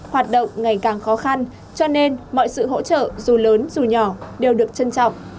hoạt động ngày càng khó khăn cho nên mọi sự hỗ trợ dù lớn dù nhỏ đều được trân trọng